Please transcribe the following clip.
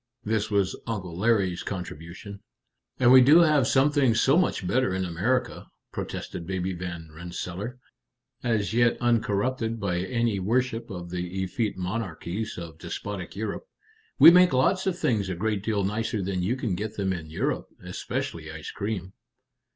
this was Uncle Larry's contribution. "And we do have some things so much better in America!" protested Baby Van Rensselaer, as yet uncorrupted by any worship of the effete monarchies of despotic Europe. "We make lots of things a great deal nicer than you can get them in Europe especially ice cream."